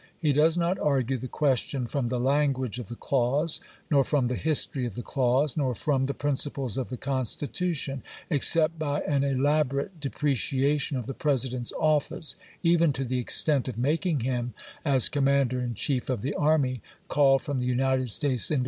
He does not argue the question from the language of the clause, nor from the history of the clause, nor from the principles of the Constitution, except by an elaborate de preciation of the President's office, even to the extent of making him, as Commander in Chief of the Army, called from the States into the service of the United States, no 176 ABKAHAM LINCOLN Chap.